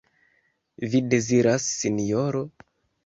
Vi deziras, Sinjoro?